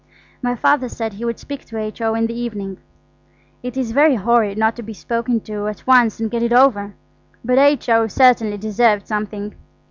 My Father said he would speak to H.O. in the evening. It is very horrid not to be spoken to at once and get it over. But H.O. certainly deserved something.